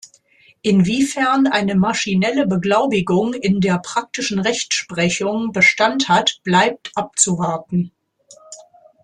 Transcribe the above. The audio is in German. Inwiefern eine „maschinelle Beglaubigung“ in der praktischen Rechtsprechung Bestand hat, bleibt abzuwarten.